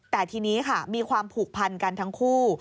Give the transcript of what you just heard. แต่ทีนี้ค่ะมีความผูกพันกันทั้งคู่